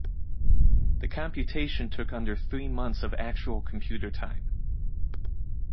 The computation took under three months of actual computer time.